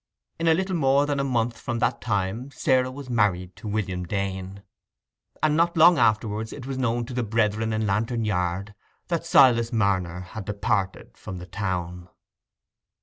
In little more than a month from that time, Sarah was married to William Dane; and not long afterwards it was known to the brethren in Lantern Yard that Silas Marner had departed from the town.